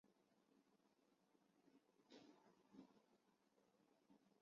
杜瑙保陶伊。